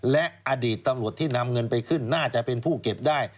และอดีตตำรวจที่นำเงินไปขึ้นน่าจะเป็นผู้เก็บได้